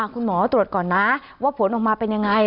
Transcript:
คุณหมอตรวจก่อนนะว่าผลออกมาเป็นยังไง